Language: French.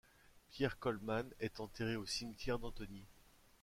Pierre Kohlmann est enterré au cimetière d'Antony.